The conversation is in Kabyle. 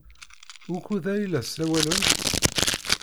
Wukud ay la ssawalent?